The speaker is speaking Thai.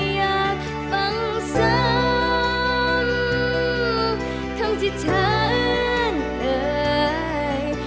อยากฟังซ้ำข้างที่เธอเอิญเผย